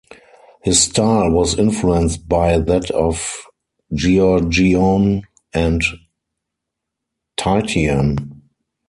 His style was influenced by that of Giorgione and Titian.